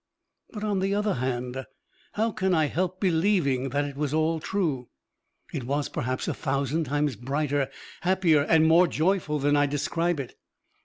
But on the other hand, how can I help believing that it was all true? It was perhaps a thousand times brighter, happier and more joyful than I describe it.